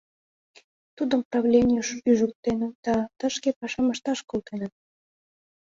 Тудым правленийыш ӱжыктеныт да тышке пашам ышташ колтеныт.